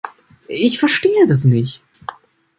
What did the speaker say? Ich verstehe das nicht!